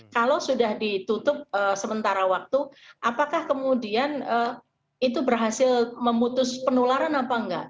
kalau sudah ditutup sementara waktu apakah kemudian itu berhasil memutus penularan apa enggak